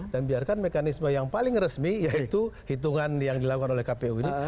dan biarkan mekanisme yang paling resmi yaitu hitungan yang dilakukan oleh kpu ini